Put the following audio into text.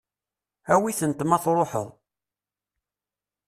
Awi-tent ma tṛuḥeḍ.